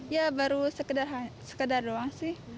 ya baru sekedar doang sih